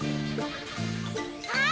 あっ！